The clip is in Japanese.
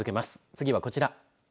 次はこちら。